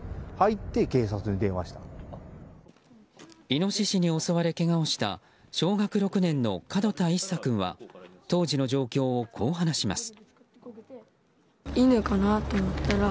イノシシに襲われけがをした小学６年の角田一咲君は当時の状況をこう話します。